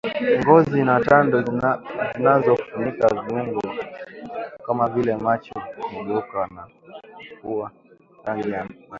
Ngozi na tando zinazofunika viungo kama vile macho hugeuka na kuwa rangi ya manjano